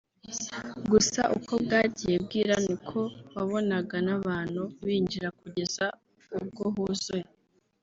gusa uko bwagiye bwira ni ko wabonaga n’abantu binjira kugeza ubwo huzuye